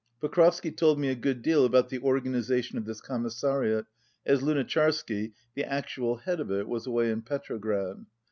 Pokrovsky told me a good deal about the or ganization of this Commissariat, as Lunacharsky, the actual head of it, was away in Petrograd.